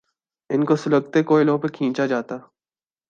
ان کو سلگتے کوئلوں پہ کھینچا جاتا۔